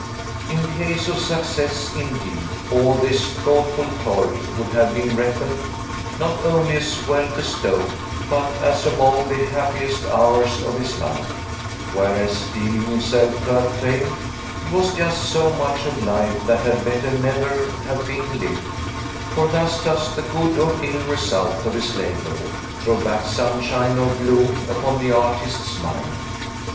In case of success, indeed, all this thoughtful toil would have been reckoned, not only as well bestowed, but as among the happiest hours of his life; whereas, deeming himself to have failed, it was just so much of life that had better never have been lived; for thus does the good or ill result of his labor throw back sunshine or gloom upon the artist's mind.